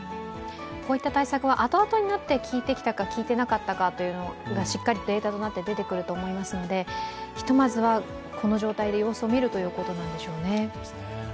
こういった対策は後々になって、きいてきたか、きいていないかしっかりデータとなって出てくると思いますのでひとまずは、この状態で様子を見るということなんでしょうね。